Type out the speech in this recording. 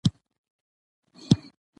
ټویټر